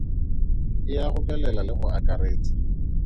E a gobelela le go akaretsa.